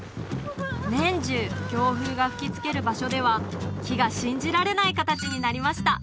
年中強風が吹きつける場所では木が信じられない形になりました